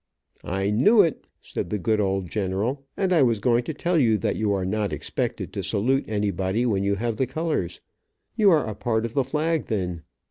"I knew it," said the good old general, "and I was going to tell you that you are not expected to salute anybody when you have the colors. You are a part of the flag, then.